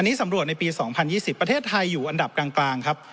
อันนี้สำรวจในปี๒๐๒๐ประเทศไทยอยู่อันดับกลางครับ